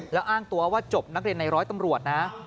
แล้วอ้างตัวว่าจบนักเรียนในร้อยตำรวจนะ